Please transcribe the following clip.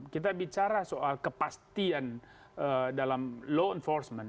kita bicara soal kepastian dalam law enforcement